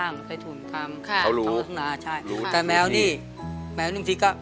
ไม่ต้องบุจรกฤษครับ